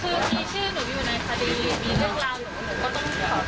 คือมีชื่อหนูอยู่ในคดีมีเรื่องราวหนู